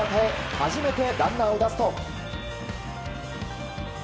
初めてランナーを出すと。